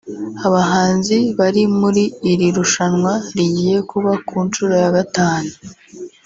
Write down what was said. Abahanzi bari muri iri rushanwa rigiye kuba ku nshuro ya gatanu